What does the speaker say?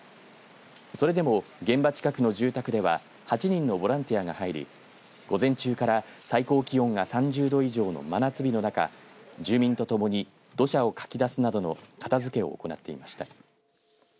それでも現場近くの住宅では８人のボランティアが入り午前中から最高気温が３０度以上の真夏日の中住民と共に土砂をかき出すなどの片づけを行っていました。